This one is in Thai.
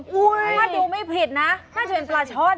ถ้าดูไม่ผิดนะน่าจะเป็นปลาช่อน